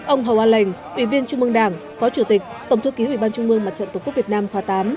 ông hầu an lệnh ủy viên trung mương đảng phó chủ tịch tổng thư ký ủy ban trung mương mặt trận tổ quốc việt nam khoa tám